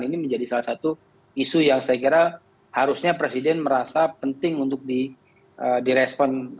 ini menjadi salah satu isu yang saya kira harusnya presiden merasa penting untuk direspon